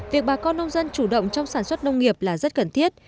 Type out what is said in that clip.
việc bà con nông dân chủ động trong sản xuất nông nghiệp là rất cần thiết